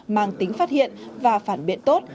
mang tính phát hiện và phản biện tốt